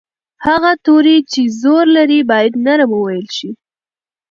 هغه توری چې زور لري باید نرم وویل شي.